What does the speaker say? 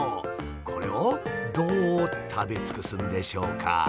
これをどう食べ尽くすんでしょうか？